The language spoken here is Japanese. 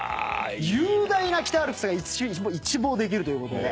雄大な北アルプスが一望できるということで。